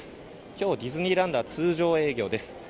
今日、ディズニーランドは通常営業です。